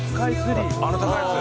あの高いやつ？